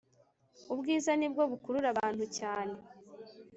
ubwiza ni bwo bukurura abantu cyane